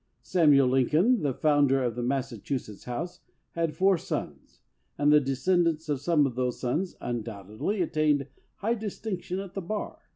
Samuel Lincoln, the founder of the Massa chusetts house, had four sons, and the descend ants of some of those sons undoubtedly attained 4 A MYTHICAL BIRTHRIGHT high distinction at the bar.